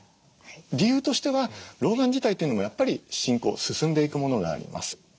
理由としては老眼自体というのもやっぱり進行進んでいくものがあります。